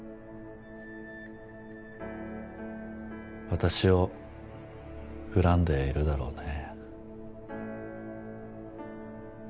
私を恨んでいるだろうね。